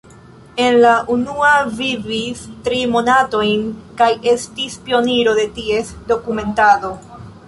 En la unua vivis tri monatojn kaj estis pioniro de ties dokumentado.